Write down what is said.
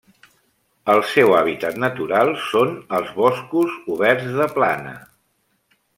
El seu hàbitat natural són els boscos oberts de plana.